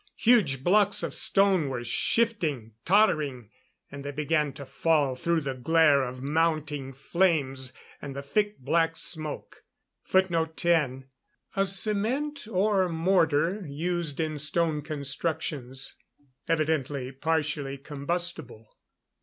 Huge blocks of stone were shifting, tottering; and they began to fall through the glare of mounting flames and the thick black smoke. [Footnote 10: A cement or mortar used in stone constructions evidently partially combustible.